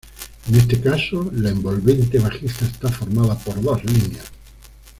En este caso, la envolvente bajista está formada por dos líneas.